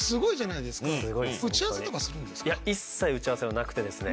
いや一切打ち合わせはなくてですね